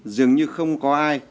dường như không có ai